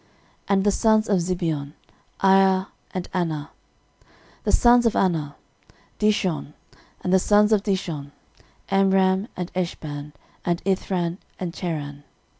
and the sons of Zibeon; Aiah, and Anah. 13:001:041 The sons of Anah; Dishon. And the sons of Dishon; Amram, and Eshban, and Ithran, and Cheran.